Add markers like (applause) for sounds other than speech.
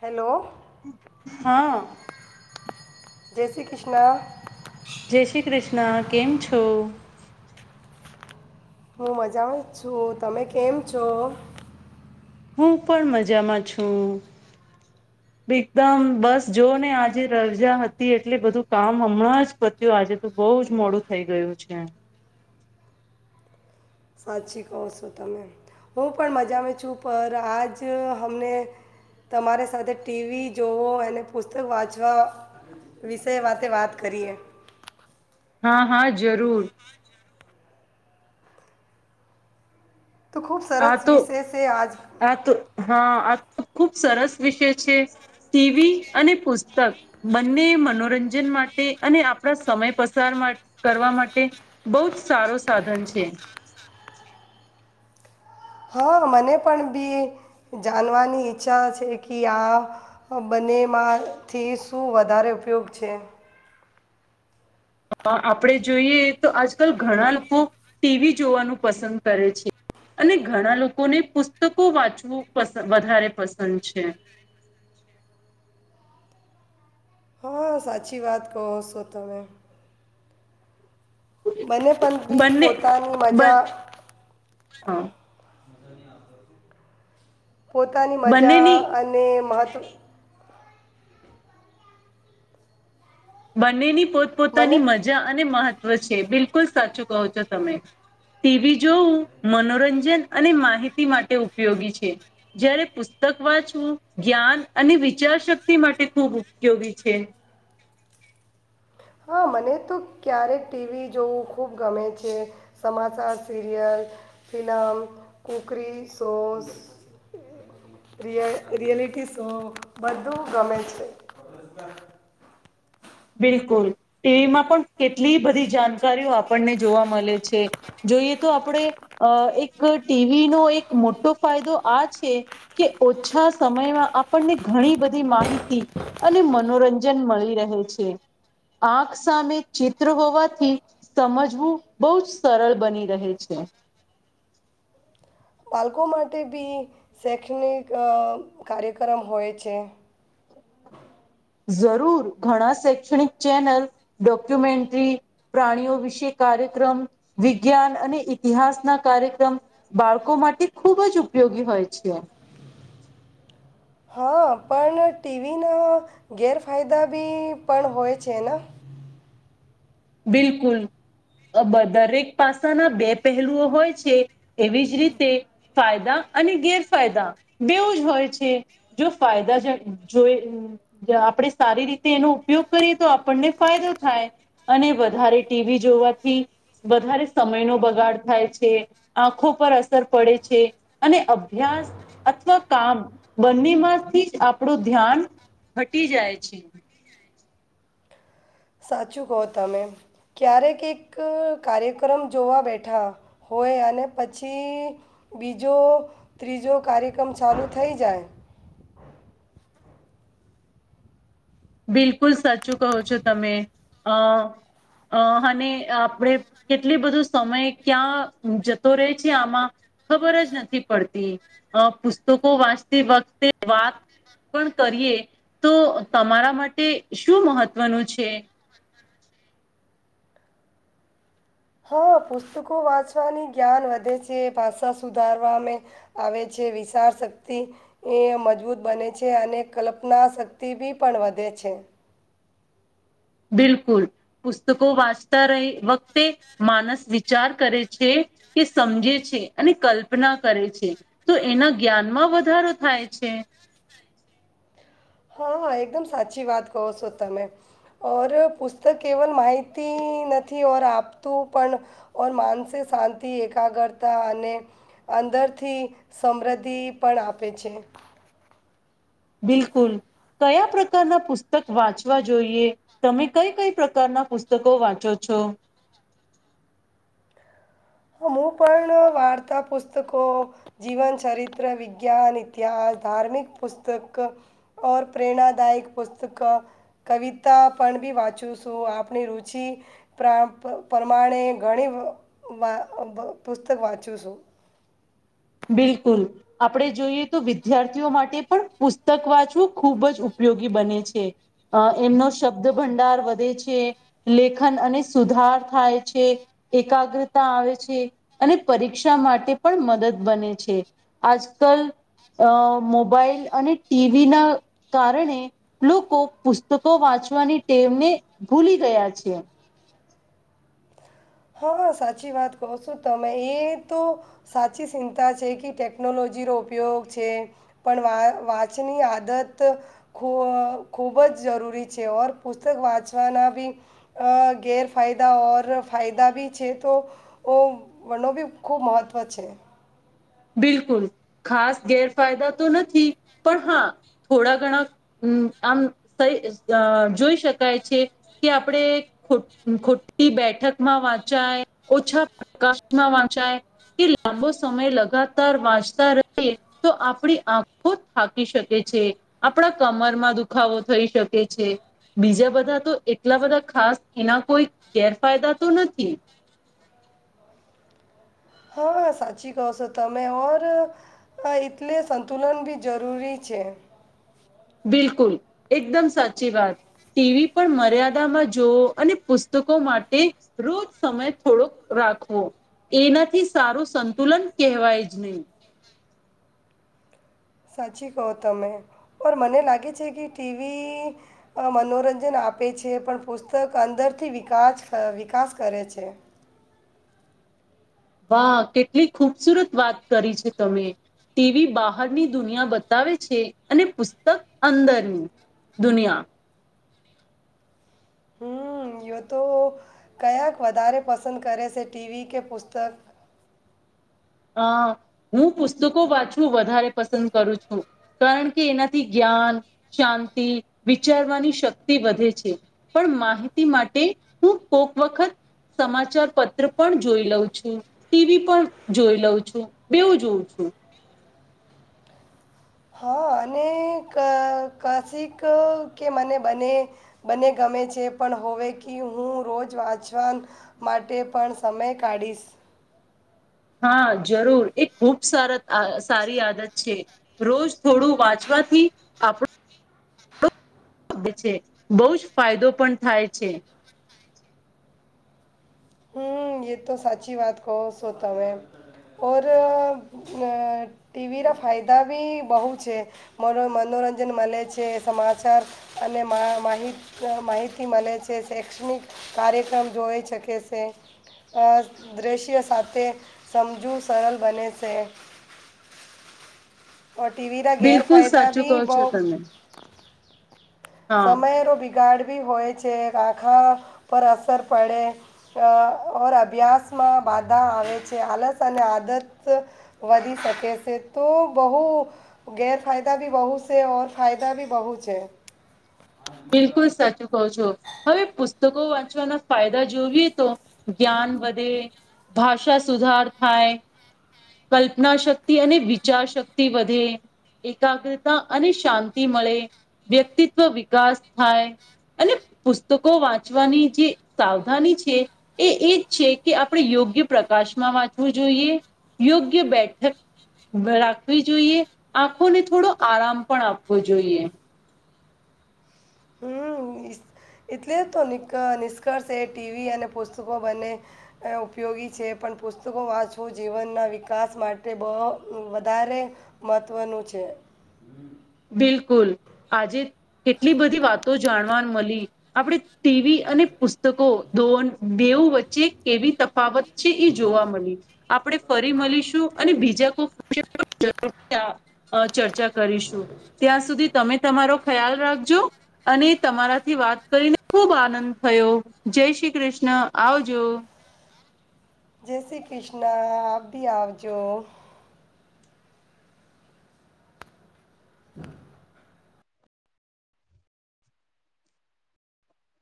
Hello, હા જય શ્રી કૃષ્ણ. જય શ્રીકૃષ્ણ કેમ છો? હું મજામાં જ છું. તમે કેમ છો? હું પણ મજામાં છું. (inaudible) એકદમ બસ જો ને આજે રજા હતી એટલે બધું કામ હમણાં જ, પત્યું આજે તો બહુ જ મોડું થઇ ગયું છે. સાચી કહો છો તમે હું પણ મજામાં છું પર આજ હમને, તમારે સાથે ટીવી જોવઓ અને પુસ્તક વાંચવા. વિષયે વાતે વાત કરીએ. હા હા જરૂર. તો ખૂબ આ સરસ તો વિષય છે આજ. આ તો હા આ તો ખુબ સરસ વિષય છે, ટીવી અને પુસ્તક. બંને મનોરંજન માટે અને આપણા સમય પસાર માટે કરવા માટે. બહુ જ સારો સાધન છે. હા મને પણ બી, જાણવાની ઈચ્છા છે કે આ બંને માંથી શું વધારે ઉપયોગ છે? હ આપડે જોઈએ તો આજકાલ ઘણા લોકો, ટીવી જોવાનું પસંદ કરે છે. અને ઘણા લોકોને પુસ્તકો વાંચવું પ વધારે પસંદ છે. હા સાચી વાત કહો છો તમે. મને પણં બી બંને પોતાની બન મજા હા પોતાની મજા બંનેની અને મહત્વ બંનેની મને પોતપોતાની મજા અને મહત્વ છે બિલકુલ સાચું કહો છો તમે. ટીવી જોવું મનોરંજન અને માહિતી માટે ઉપયોગી છે. જયારે પુસ્તક વાંચવું જ્ઞાન અને વિચાર શક્તિ માટે ખૂબ ઉપયોગી છે. હા મને તો ક્યારેક ટીવી જોવું ખૂબ ગમે છે. સમાચાર સીરિયલ ફિલ્મ કુકરી, શોઝ. રિય રિયલિટી શો બધું ગમે છે. બિલકુલ, ટીવીમાં પણ કેટલી બધી જાણકારીઓ આપણને જોવા મળે છે. જોઈએ તો આપણે અ એક ટીવીનો એક મોટો ફાયદો આ છે. કે ઓછા સમયમાં આપણને ઘણી બધી માહિતી. અને મનોરંજન મળી રહે છે, આંખ સામે ચિત્ર હોવાથી. સમજવું બહુ જ સરળ બની રહે છે. બાળકો માટે બી શૈક્ષણિક અ કાર્યક્રમ હોય છે. જરૂર ઘણા શૈક્ષણિક ચેનલ ડોક્યુમેન્ટ્રી. પ્રાણીઓ વિશે કાર્યક્રમ વિજ્ઞાન અને ઇતિહાસના કાર્યક્રમ. બાળકો માટે ખુબ જ ઉપયોગી હોય છે. હા પણ ટીવીના ગેરફાયદા બી પણ હોય છે ને. બિલકુલ. દરેક પાસાના બે પહેલુઓ હોય છે, એવી જ રીતે ફાયદા અને ગેરફાયદા બેવું જ હોય છે. જો ફાયદા જ જોય. જો આપડણે સારી રીતે એનો ઉપયોગ કરીએ તો આપણને ફાયદો થાય. અને વધારે ટીવી જોવાથી વધારે સમયનો બગાડ થાય છે. આંખો પર અસર પડે છે, અને અભ્યાસ અથવા કામ બંને માંથી જ આપણું ધ્યાન હટી જાય છે. સાચું કહો તમે ક્યારેક એક કાર્યક્રમ જોવા બેઠા હોય અને પછી બીજો ત્રીજો કાર્યક્રમ ચાલુ થઈ જાય. બિલકુલ સાચું કહો છો તમે, અ અ અને આપણે કેટલી બધું સમય ક્યાં જતો રહે છે આમાં ખબર જ નથી પડતી, અ પુસ્તકો વાંચતી વખતે વાત પણ કરીએ તો તમારા માટે શું મહત્વનું છે? હા પુસ્તકો વાંચવાની જ્ઞાન વધે છે ભાષા સુધારવામે આવે છે વિશારશક્તિ એ મજબૂત બને છે અને કલ્પનાશક્તિ બી પણ વધે છે બિલકુલ પુસ્તકો વાંચતા રહે વકતે માણસ વિચાર કરે છે કે સમજે છે અને કલ્પના કરે છે તો એના જ્ઞાનમાં વધારો થાય છે હા હા એકદમ સાચી વાત કહો છો તમે ઓર પુસ્તક કેવલ માહિતી નથી ઓર આપતું પણ ઓન માનસિક શાંતિ એકાગ્રતા અને અંદરથી સમૃદ્ધિ પણ આપે છે બિલકુલ કયા પ્રકારના પુસ્તક વાંચવા જોઈએ તમે કઈ કઈ પ્રકારના પુસ્તકો વાંચો છો (unintelligible) હું પણ વાર્તા પુસ્તકો જીવન ચરિત્ર વિજ્ઞાન ઇતિહાસ ધાર્મિક પુસ્તક ઓર પ્રેરણાદાયક પુસ્તક કવિતા પણ બી વાંચું છું આપણી રુચિ પ્રા પરમાણે ઘણી (unintelligible) પુસ્તક વાંચૂ છું બિલકુલ આપડે જોઈએ તો વિદ્યાર્થીઓ માટે પણ પુસ્તક વાંચવું ખૂબ જ ઉપયોગી બને છે હા એમનો શબ્દ ભંડાર વધે છે લેખન અને સુધાર થાય છે એકાગ્રતા આવે છે અને પરીક્ષા માટે પણ મદદ બને છે આજ કલ અ મોબાઈલ અને ટીવી ના કારણે લૂકો પુસ્તકો વાંચવાની ટેવ ને ભૂલી ગયા છે. હા સાચી વાત કહો છો તમે એ તો સાચી સિંતા છે કે ટેકનોલોજીનો ઉપયોગ છે પણ વા વાંચી ની આદત ખુઅ ખૂબ જ જરૂરી છે ઓર પુસ્તક વાંચવાના બી અ ગેરફાયદા ઓર ફાયદા બી છે તો ઓમ વનો બી ખૂબ મહત્ત્વ છે બિલકુલ ખાસ ગેરફાયદા તો નથી પણ હા થોડા ઘણા હમ્મ આમ તઈ અ જોઈ શકાય છે કે આપડે ખોટ ખોટી બેઠક માં વાંચાય ઓછા કસ્ઠામાં વાંચાય તે લાંબો સમય લ ગાતાર વાંચતા રહે તો આપડી આંખો થાકી શકે છે આપડા કમરમાં દુખાવો થઈ શકે છે બીજા બધા તો એટલા બધા ખાસ એના કોઈ ગેરફાયદા તો નથી હ સાચી કહો છો તમેં ઓર હ એટલે સંતુલન બી જરૂરી છે. બિલકુલ એકદમ સાચી વાત ટીવી પણ મર્યાદામાં જોઓ અને પુસ્તકો માટે રોજ સમય થોડોક રાખવો. એનાથી સારું સંતુલન કહેવાય જ નહી સાચી કહો તમે ઓર મને લાગે છે કે ટીવી મનોરંજન આપે છે પણ પુસ્તક અંદરથી વિકાસ વિકાસ કરે છે. વાહ કેટલી ખુબસુરત વાત કરી છે તમે. તેવી બહારની દુનિયા બતાવે છે અને પુસ્તક અંદરની દુનિયા હ યો તો કયાક વધારે પસંદ કરે છે ટીવી કે પુસ્તક? અ હું પુસ્તકો વાંચવું વધારે પસંદ કરું છું. કારણ કે એનાથી જ્ઞાન, શાંતિ, વિચારવાની શક્તિ વધે છે. પણ માહિતી માટે હું કોક વખત સમાચાર પત્ર પણ જોઈ લઉં છું ટીવી પણ જોઈ લઉં છું, બેવું જોઉં છું. હા અને ક કસિક કે મને બને. બને ગમે છે પણ હોવે કે હું રોજ વાંચવા. માટે પણ સમય કાઢીશ. હા જરૂર એ ખૂબ સ સારી આદત છે. રોજ થોડું વાંચવાથી આપણું છે, બહુ જ ફાયદો પણ થાય છે. હમ એ તો સાચી વાત કહો સો તમે, ઓર ટીવી ના ફાયદા બી બહુ છે. મનોરંજન મળે છે સમાચાર અને માહિત માહિતી મળે છે શૈક્ષણિક કાર્યક્રમ જોવે છે કે. તે દૃશ્ય સાથે, સમજવું સરળ બને છે. ઓ ટીવી રા બિલકુલ ગેરફાયદા સાચું ભી કહો છો બહ તમે હા સમયરો બિગાડવી હોય છે, આંખા પર અસર પડે. અ ઓર અભ્યાસમાં બાધા આવે છે, આલસ અને આદત વધી શકે છે તો બહુ. ગેરફાયદા ભી બહુ છે ફાયદા ભી બહુ છે. બિલકુલ સાચું કહો છો. હવે પુસ્તકો વાંચવાના ફાયદા જોઈએ તો, જ્ઞાન વધે. ભાષા સુધાર થાય. કલ્પના શક્તિ અને વિચાર શક્તિ વધે. એકાગ્રતા અને શાંતિ મળે, વ્યક્તિત્વ વિકાસ થાય. અને પુસ્તકો વાંચવાની જે સાવધાની છે. એ એ જ છે કે આપણે યોગ્ય પ્રકાશમાં વાંચવું જોઈએ. યોગ્ય બેઠક રાખવી જોઈએ, આંખોને થોડો આરામ પણ આપવો જોઈએ. હ એટલે તો નિષ્કર્ષ એ ટીવી અને પુસ્તકો બંને. ઉપયોગી છે પણ પુસ્તકો વાંચો જીવનના વિકાસ માટે બહ વધારે મહત્ત્વનું છે. બિલકુલ આજે કેટલી બધી વાતો જાણવા મળી. આપણે ટીવી અને પુસ્તકો દોન દેવ વચ્ચે કેવી તફાવત છે એ જોવા મળી આપણે ફરી મળીશું, અને બીજા કોઈ જરૂર આ ચર્ચા કરીશું. ત્યાં સુધી તમે તમારો ખ્યાલ રાખજો. અને તમારાથી વાત કરીને ખુબ આનંદ થયો જય શ્રી કૃષ્ણ આવજો. જય શ્રી કૃષ્ણ આપ ભી આવજો. (inaudible)